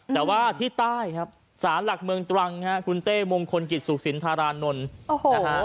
แต่ว่าที่ใต้ศาลหลักเมืองตรังคุณเต้มงคลกิจสุขศิลป์ธารานนท์